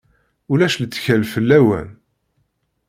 Ulac lettkal fell-awen.